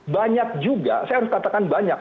banyak juga saya harus katakan banyak